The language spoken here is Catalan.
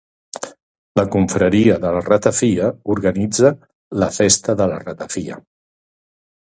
La Confraria de la Ratafia organitza la Festa de la Ratafia.